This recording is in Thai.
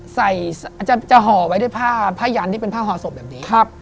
ใส่อาจจะจะห่อไว้ด้วยผ้าผ้ายันที่เป็นผ้าห่อศพแบบนี้ครับ